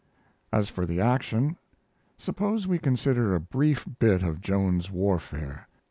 As for the action, suppose we consider a brief bit of Joan's warfare.